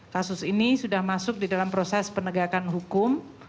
kasus ini sudah masuk di dalam proses penegakan hukum